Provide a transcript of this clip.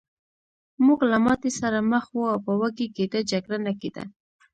موږ له ماتې سره مخ وو او په وږې ګېډه جګړه نه کېده